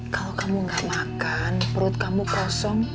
kalo kamu gak makan perut kamu kosong